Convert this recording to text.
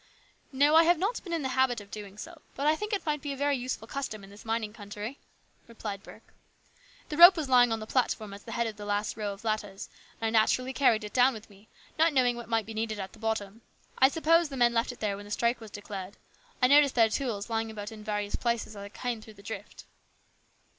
" No, I have not been in the habit of doing so, but I think it might be a very useful custom in this mining country," replied Burke. " The rope was lying on the platform at the head of the last row of ladders, and I naturally carried it down with me, not knowing what might be needed at the bottom. I suppose the men left it there when the strike was declared. I noticed their tools lying about in various places as I came through the drift."